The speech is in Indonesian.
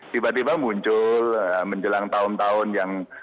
tiba tiba muncul menjelang tahun tahun yang